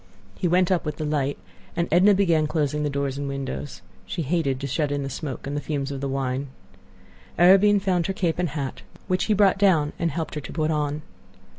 He went up with the light, and Edna began closing doors and windows. She hated to shut in the smoke and the fumes of the wine. Arobin found her cape and hat, which he brought down and helped her to put on.